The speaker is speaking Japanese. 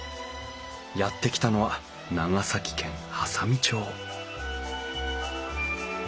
やって来たのは長崎県波佐見町